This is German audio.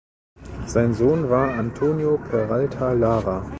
Sein Sohn war Antonio Peralta Lara.